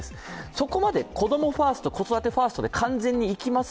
そこまで子供ファースト、子育てファーストで完全にいきます